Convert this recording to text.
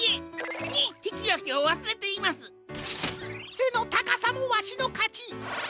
せのたかさもわしのかち！